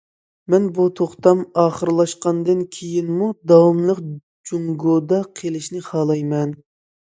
مەن بۇ توختام ئاخىرلاشقاندىن كېيىنمۇ داۋاملىق جۇڭگودا قېلىشنى خالايمەن.